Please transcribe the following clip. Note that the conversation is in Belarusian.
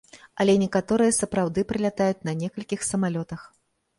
Але некаторыя сапраўды прылятаюць на некалькіх самалётах.